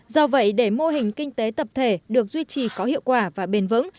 do vậy để mô hình kinh tế tập thể được duy trì có hiệu quả và bền vững